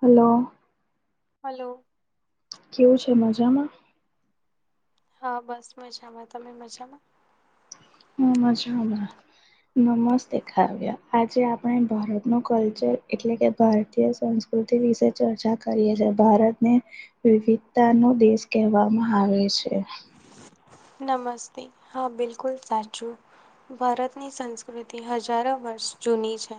Hello hello કેવું છે મજામાં હા બસ મજામાં તમે મજામાં હ મજામાં નમસ્તે કાવ્ય આજે આપણે ભારત ન કલ્ચર એટલે કે ભારતીય સંસ્કૃ [inaudible] વિશે ચર્ચા કરીએ છી ભારતને વિવિધતા નો દેશ કહેવામાં આવે છે. [inaudible] નમસ્તે હા બિલકુલ સાચું ભારતની સંસ્કૃતિ હજારો વર્ષ જૂની છે.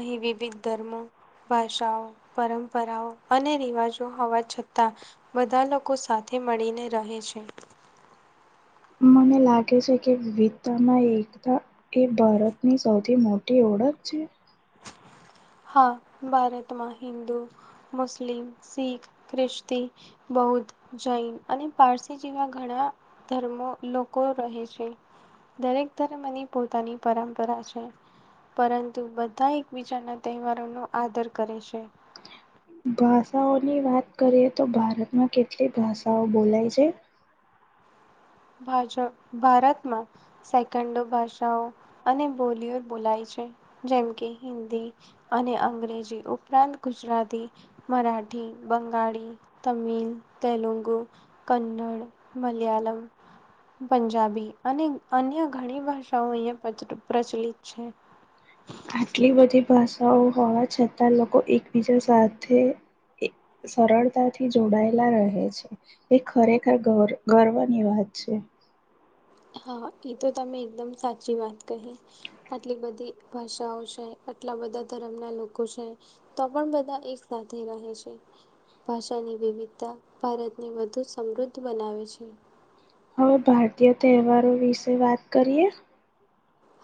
અહીં વિવિધ ધર્મ- ભાષાઓ પરંપરાઓ અને રિવાજો હોવા છતાં બધા લોકો સાથે મળીને રહે છે. મને લાગે છે. કે વિવિધતામાં એકતા એ ભારતની સૌથી મોટી ઓળખ છે. હા ભારતમાં હિન્દુ મુસ્લિમ સીખ ખ્રિસ્તી બૌદ્ધ જૈન અને પારસી જેવા ઘણા ધર્મો લોકો રહે છે. દરેક ધર્મની પોતાની પરંપરા છે પરંતુ બધા એકબીજાના તહેવારો નો આદર કરે છે. ભાષાઓની વાત કરીએ તો ભારતમાં કેટલી ભાષાઓ બોલાય છે. ભાજપ ભારતમાં [inaudible] સેકન્ડો ભાષાઓ અને બોલીઓ બોલાય છે. જેમ કે હિન્દી અને અંગ્રેજી ઉપરાંત ગુજરાતી મરાઠી બંગાળી તમિલ તેલુગુ કન્નડ મલયાલમ પંજાબી અને અન્ય ઘણી ભાષાઓ અહીંયા પ્રચ પ્રચલિત છે. આટલી બધી ભાષાઓ હોવા છતાં લોકો એકબીજા સાથે એ સરળતાથી જોડાયેલા રહે છે એ ખરેખર [unintelligible] ગર્વની વાત છે. હા એ તો તમે એકદમ સાચી વાત કહી આટલી બધી ભાષાઓ છે આટલા બધા ધર્મ ના લોકો છે. તો પણ બધા એક સાથે રહે છે. ભાષાની વિવિધતા ભારતને વધુ સમૃદ્ધ બનાવે છે. હવે ભારતીય તહેવારો વિશે વાત કરીએ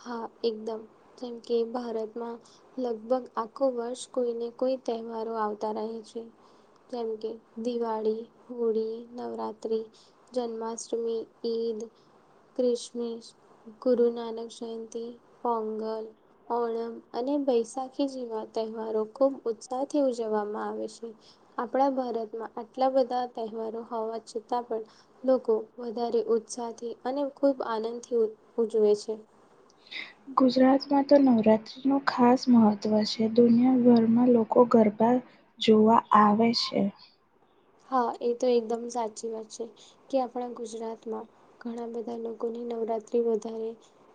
હા એકદમ જેમ કે ભારતમાં લગભગ આખો વર્ષ કોઈને કોઈ તહેવારો આવતા રહે છે. જેમ કે દિવાળી હોળી નવત્ર્રી જન્માષ્ટમી ઈદ ક્રિશમિશ ગુરુ નાનક જયંતી પોંગલ ઓણમ અને બૈશાખી જેવા તહેવારો ખૂબ ઉત્સાહથી ઉજવવામાં આવે છે. આપણા ભારતમાં આટલા બધા તહેવારો હોવા છતાં પણ લોકો વધારે ઉત્સાહથી અને ખૂબ આનંદથી ઉજવે છે. ગુજરાત માં તો નવરાતત્રી નું ખાસ મહત્વ છે. દુનિયાભરમાં લોકો ગરબા જોવા આવે છે. હા એ તો એકદમ સાચી વાત છે. કે આપણા ગુજરાતમાં ઘણા બધા લોકોની નવરાત્રી વધારે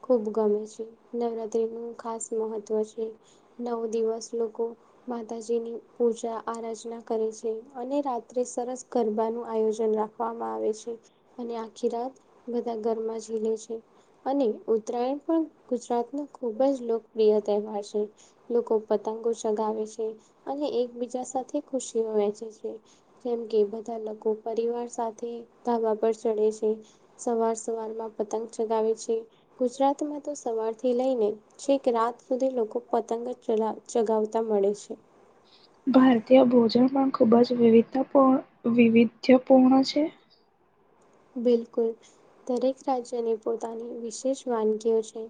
ખૂબ ગમે છે નવરાત્ર્રી નું ખાસ મહત્વ છે. નવ દિવસ લોકો માતાજીની પૂજા આરાધના કરે છે. અને રા સરસ ગરબાનુંું આયોજન રાખવામાં આવે છે અને આખી રાત બધા ઘરમાં ઝીલે છે અને ઉત્તરાયણ પણ ગુજરાતનો ખૂબ જ લોકપ્રિય તહેવાર છે લોકો પતંગો ચગાવે છે અને એકબીજા સાથે ખુશીઓ વહેંચે છે જેમ કે બધા લોકો પરિવાર સાથે ધાબા પર ચડે છે સવાર સવાર પતંગ ચગાવે છે ગુજરાતમાં તો સવારથી લઈને છે કે રાત સુધી લોકો પતંગ ચગાવતા મળે છે ભારતીય ભોજન પણ ખૂબ જ વિવિધતાપૂર્ણ વિવિધ્યપૂર્ણ છે બિલકુલ દરેક રાજ્યની પોતાની વિશેષ વાનગીઓ છે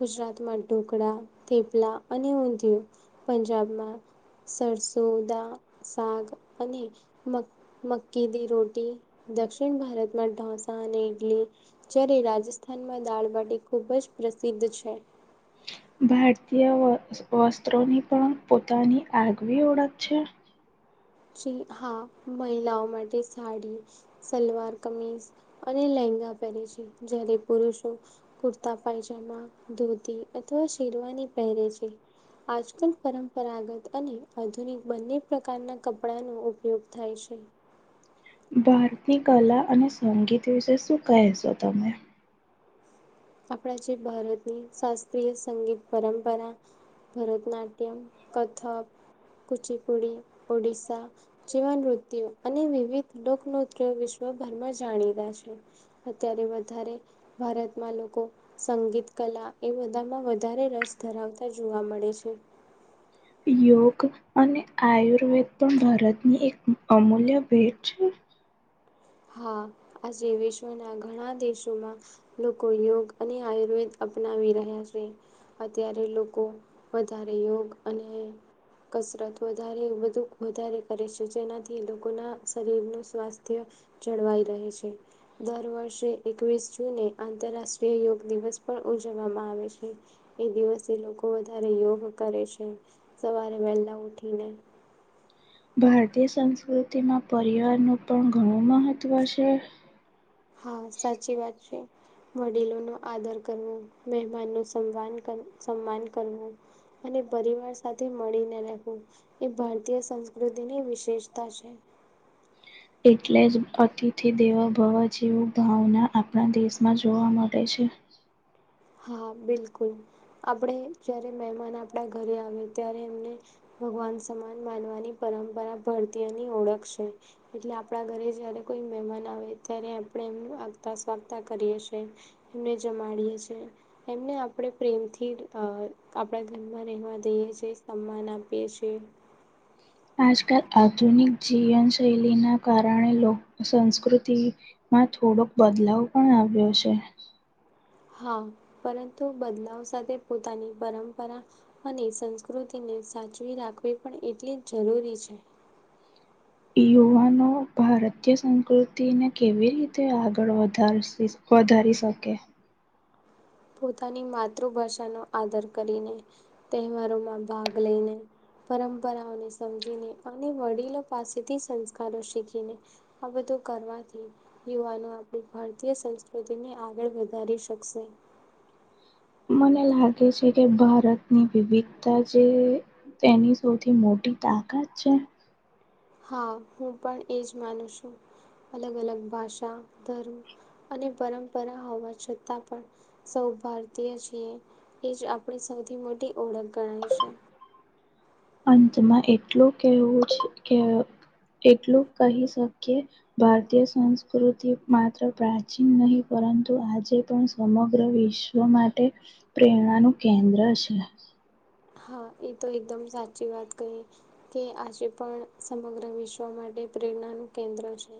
ગુજરાતમાં ઢોકળા થપલા અને ઊંધિયું પંજાબમાં સરસોદા સાગ અને મક્કી દ રોટી દક્ષિણ ભારત માં ઢોંસા અને ઇડલી જ્યારે રાજસ્થાનમાં દાળબાટી ખૂબ જ પ્રસિદ્ધ છે ભારતીય વસ્ત્રોની પણ પોતાની આગવી ઓળખ છે હા મહિલાઓ માટે સાડી સલવાર કમીજ અને લેંગા પહેરે છે જય્યારે પુરુષો કુર્તા પાયજમા ધોતી અથવા શેરવાની પહેરે છે આજકલ પરંપરાગત અને આધુનિક બંને પ્રકારના કપડાનોો ઉપયોગ થાય છે ભારતની કલા અને સંગીત વિશે શું કહેશો તમે આપણા જે ભારતની શાસ્ત્રીય સંગીત પરંપરા ભરતનાટ્યમ કથક કુચીપુડી ઓડિશસા જીવનવૃતિઓ અને વિવિધ લોકનૃત્ય વિશ્વભરમાં જાણીતા છે અત્યારે વધારે ભારત માં લોકો સંગીત કલા એ બધામાં વધારે રસ ધરાવતા જોવા મળે છે યોગ અને આયુર્વેદ પણ ભારતની એક અમૂલ્ય ભેટ છે હા આજે વિશ્વના ઘણા દેશોમાં લોકો યોગ અને આયુર્વેદ અપનાવી રહ્યા છે અત્યારે લોકો વધારે યોગ અને કસરત વધારે બુ વધારે કરે છે જેનાથી લોકોના શરીરનું સ્વાસ્થ્ય જળવાઈ રહે છે દર વર્ષે એકવીસ જૂને આંતરરાષ્ટ્રીય યોગ દિવસ પણ ઉજવવામાં આવે છે એ દિવસે લોકો વધારે યોગ કરે છે સવારે વહેલા ઉઠીને ભારતીય સંસ્કૃતિમાં પરિવારનું પણ ઘણું મહત્ત્વ છે. હા સાચી વાત છે. વડીલો નો આદર કરવો, મહેમાન નું સમાન સન્માન કરવું, અને પરિવાર સાથે મળીને રહેવું. એ ભારતીય સંસ્કૃતિની વિશેષતા છે. એટલે જ અતિથિ દેવભવા જેવ ભાવના આપણા દેશમાં જોવા મળે છે. હા બિલકુલ. આપણે જયારે મહેમાન આપડા ઘરે આવે ત્યારે એમને ભગવાન સમાન માનવાની પરંપરા ભારતીયોની ઓળખ છે. એટલે આપણા ઘરે જયારે કોઈ મહેમાન આવે ત્યારે આપણે એમ આગતા સ્વાગતા કરીએ છે. એમને જમાડીએ છીએ. એમને આપણે પ્રેમથી આપણા ઘરમાં રહેવા દઈએ છીએ. સન્માન આપીએ છીએ. આજકાલ આધુનિક જીવનશૈલીના કારણે લોક સંસ્કૃતિ માં થોડોક બદલાવ પણ આવ્યો છે. હા પરંતુ બદલાવ સાથે પોતાની પરંપરા અને સંસ્કૃતિને સાચવી રાખવી પણ એટલી જ જરૂરી છે. યુવાનો ભારતીય સંસ્કૃતિને કેવી રીતે આગળ વધારશે? વધારી શકે. પોતાની માતૃભાષાનો આદર કરીને, તહેવારોમાં ભાગ લઈને પરંપરાઓને સમજીને અને વડીલો પાસેથી સંસ્કારો શીખીને આ બધું કરવાથી યુવાનો આપણી ભારતીય સંસ્કૃતિને આગળ વધારી શકશે મને લાગે છે, કે ભારતની વિવિધતા જે તેની સૌથી મોટી તાકાત છે. હા હું પણ એજ માનું છું અલગ અલગ ભાષા, ધર્મ અને પરંપરા હોવા છતાં પણ સૌ ભારતીય છીએ એ જ આપણી સૌથી મોટી ઓળખ ગણાય છે. [inaudible] અંતમાં એટલું કેવું છે, કે એટલું કહી શકીએ ભારતીય સંસ્કૃતિ માત્ર પ્રાચીન નહી, પરંતુ આજે પણ સમગ્ર વિ વ માટે પ્રેરણાનું કેન્દ્ર છે. હા એ તો એકદમ સાચી વાત કહી કે આજે પણ સમગ્ર વિશ્વ માટે પ્રેરણાનું કેન્દ્ર છે.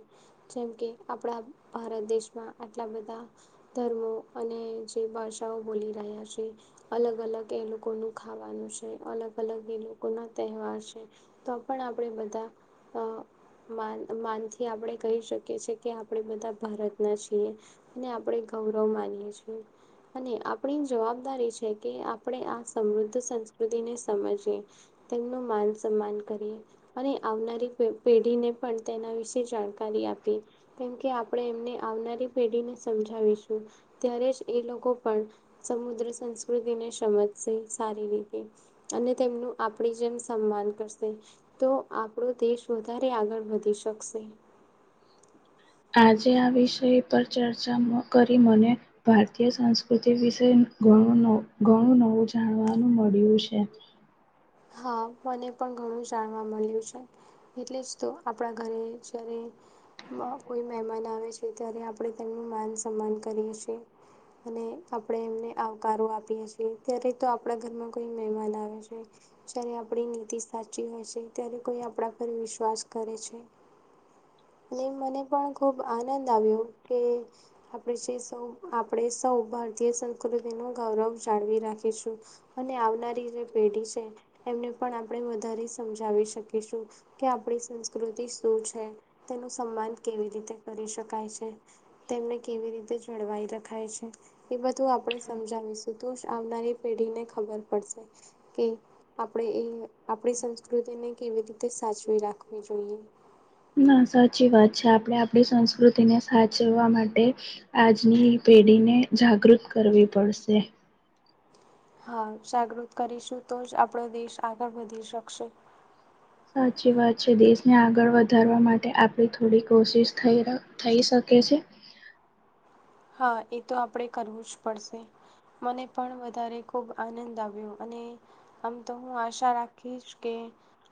જેમ કે આપણા ભારત દેશમાં આટલા બધા ધર્મો અને જે ભાષાઓ બોલી રહ્યા છે, અલગ અલગ તે લોકોનું ખાવાનું છે, અલગ અલગ એ લોકોના તહેવાર છે, તો પણ આપણે બધા અ માન માનથી આપણે કહી શકીએ છે. કે આપણે બધા ભારતના છીએ અને આપણે ગૌરવ માનીએ છીએ. અને આપણી જવાબદારી છે, કે આપણે આ સમૃદ્ધ સંસ્કૃતિને સમજી તેમનું માન સન્માન કરીએ અને આવનારી પે પેઢીને પણ તેના વિશે જાણકારી આપી કેમકે આપણે એમને આવનારી પેઢીને સમજાવીશું ત્યારે જ એ લોકો પણ સમુદ્ર સંસ્કૃતિને સમજશે સારી રીતે અને તેમનું આપણી જેમ સન્માન કરશે તો આપણો દેશ વધારે આગળ વધી શકશે આજે આ વિષય પર ચર્ચા કરી મને ભારતીય સંસ્કૃતિ વિશે ઘણું ન ઘણું નવું જાણવાનું મળ્યું છે. હા મને પણ ઘણું જાણવા મલયુ છે. એટલે જ તો આપણા ઘરે જયારે કોઈ મહેમાન આવે છે. ત્યારે આપણે તેમનું માન સન્માન કરીએ છીએ અને આપણે એમને આવકારો આપીએ છીએ ત્યારે તો આપણા ઘરમાં કોઈ મહેમાન આવે છે. જ્યારે આપણી નીતિ સાચી હોય છે, ત્યારે કોઈ આપણા પર વિશ્વાસ કરે છે. ને મને પણ ખુબ આનંદ આવ્યો કે આપણે જે સૌ આપણે સૌ ભારતીય સંસ્કૃતિનું ગૌરવ જાળવી રાખીશું અને આવનારી જે પેઢી છે. એમને પણ આપણે વધારે સમજાવી શકીશું કે આપણી સંસ્કૃતિ શું છે. તેનું સન્માન કેવી રીતે કરી શકાય છે, તેમને કેવી રીતે જળવાઈ થાય છે, એ બધું આપણે સમજાવીશું તોજ આવનારી પેઢીને ખબર પડશે કે આપણે એ આપણી સંસ્કૃતિને કેવી રીતે સાચવી રાખવી જોઈએ ના સાચી વાત છે, આપણે આપણી સંસ્કૃતિને સાચવવા માટે આજની પેઢીને જાગૃત કરવી પડશે હા જાગૃત કરીશું તો જ આપણો દેશ આગળ વધી શકશે સાચી વાત છે, દેશને આગળ વધારવા માટે આપડી થોડી કોશિશ થઈ ર થઈ શકે છે. હા એ તો આપણેે કરવું જ પડશે મને પણ વધારે ખૂબ આનંદ આવ્યો અને આમ તો હું આશા રાખીશ કે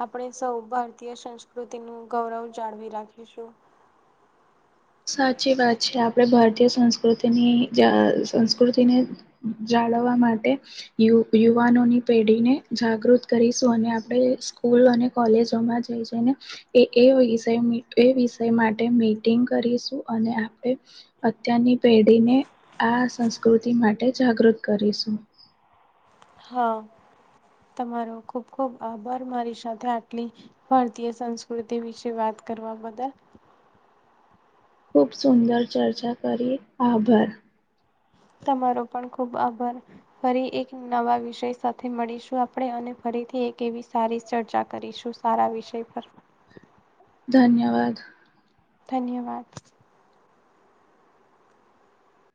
આપણે સૌ ભારતીય સંસ્કૃતિનું ગૌરવ જાળવી રાખીશું સાચી વાત છે આપણે ભારતીય સંસ્કૃતિની સંસ્કૃતિને જાળવવા માટે યુવાનોની પેઢી ને જાગૃત કરીશું અને આપણે સ્કૂલ અને કોલેોમાં જ ને એ વિષય માટે મીટિંગ કરીશું અને આપણે અત્યારની પેઢીને આ સંસ્કૃતિ માટે જાગૃત કરીશું હા તમારો ખુબ ખુબ આભાર મારી સાથે આટલી ભારતીય સંસ્કૃતિ વિશે વાત કરવા બદલ ખૂબ સુંદર ચર્ચા કરી આભાર તમારો પણ ખુબ આભાર ફરી એક નવા વિષય સાથે મળીશું આપણે અને ફરીથી એક એવી સારી ચર્ચા કરીશું સારા વિષય પર ધન્યવાદ ધન્યવાદ